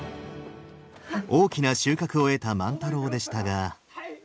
大きな収穫を得た万太郎でしたが。